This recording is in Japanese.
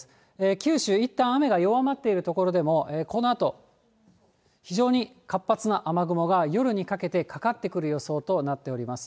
九州、いったん雨が弱まっている所でも、このあと、非常に活発な雨雲が夜にかけてかかってくる予想となっております。